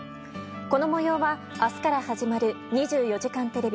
この模様は明日から始まる「２４時間テレビ」